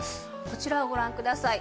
こちらをご覧ください。